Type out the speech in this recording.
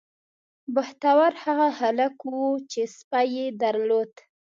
بختور هغه خلک وو چې سپی یې درلود.